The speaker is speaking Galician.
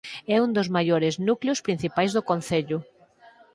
É un dos maiores núcleos principais do concello.